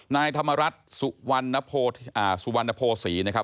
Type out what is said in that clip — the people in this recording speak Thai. นายธรรมรัฐสุวรรณโภสี่นะครับ